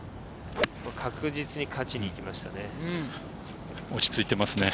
確実に勝ちに行きましたね。